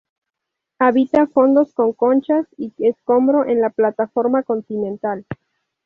Habita fondos con conchas y escombro en la plataforma continental.